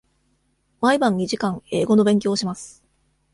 毎晩二時間英語の勉強をします。